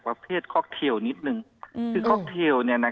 ประเภทคอกเทลนิดนึง